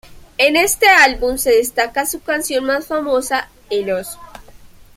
En este álbum se destaca su canción más famosa: "El Oso".